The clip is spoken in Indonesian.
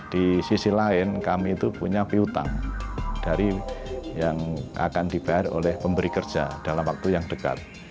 di sisi lain kami itu punya piutang yang akan dibayar oleh pemberi kerja dalam waktu yang dekat